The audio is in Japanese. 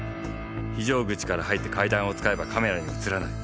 非常口から入って階段を使えばカメラに映らない。